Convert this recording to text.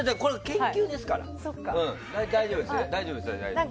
研究ですから大丈夫ですね。